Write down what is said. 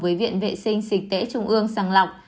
với viện vệ sinh dịch tễ trung ương sàng lọc